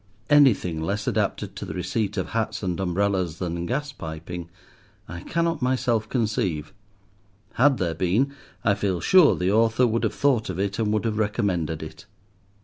Anything less adapted to the receipt of hats and umbrellas than gas piping I cannot myself conceive: had there been, I feel sure the author would have thought of it, and would have recommended it.